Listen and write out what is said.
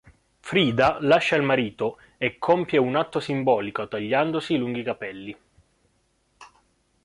Frida lascia il marito e compie un atto simbolico tagliandosi i lunghi capelli.